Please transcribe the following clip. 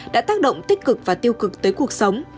đã tác động tích cực và tiêu cực tới cuộc sống